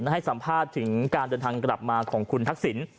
ให้สัมภาษณ์ถึงการเดินทางกลับมาของคุณทักษิณ